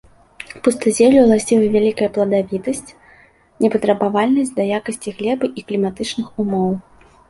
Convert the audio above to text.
Пустазеллю ўласцівы вялікая пладавітасць, непатрабавальнасць да якасці глебы і кліматычных умоў.